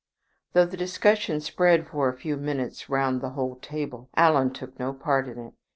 Though the discussion spread for a few minutes round the whole table, Alan took no part in it.